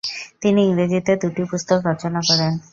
তিনি ইংরেজীতে দুটি পুস্তক রচনা করেন।